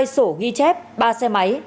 hai sổ ghi chép ba xe máy